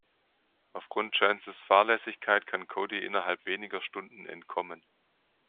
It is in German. Aufgrund Chances Fahrlässigkeit kann Cody innerhalb weniger Stunden entkommen.